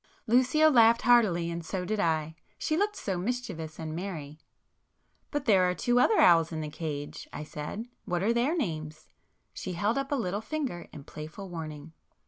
Lucio laughed heartily, and so did I,—she looked so mischievous and merry. "But there are two other owls in the cage"—I said—"What are their names?" She held up a little finger in playful warning.